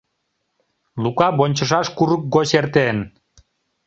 Лука вончышаш курык гоч эртен!